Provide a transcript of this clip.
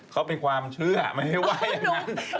เขาเป็นความเชื่อไม่ให้ว่าอย่างนั้น